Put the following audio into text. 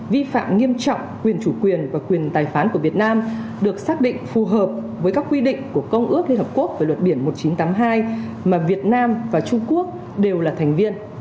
vi phạm nghiêm trọng quyền chủ quyền và quyền tài phán của việt nam được xác định phù hợp với các quy định của công ước liên hợp quốc về luật biển một nghìn chín trăm tám mươi hai mà việt nam và trung quốc đều là thành viên